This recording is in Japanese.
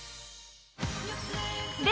で